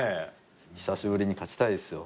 久しぶりに勝ちたいですよ。